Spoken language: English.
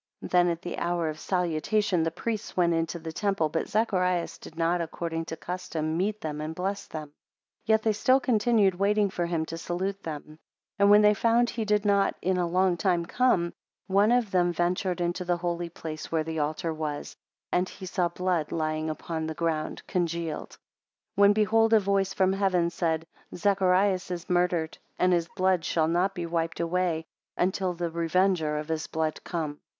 18 Then at the hour of salutation the priests went into the temple but Zacharias did not according to custom, meet them and bless them. 19 Yet they still continued waiting for him to salute them; 20 And when they found he did not in a long time come, one of them ventured into the holy place where the altar was, and he saw blood lying upon the ground congealed: 21 When, behold, a voice from heaven said, Zacharias is murdered, and his blood shall not be wiped away, until the revenger of his blood come.